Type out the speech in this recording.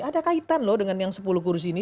ada kaitan loh dengan yang sepuluh kursi ini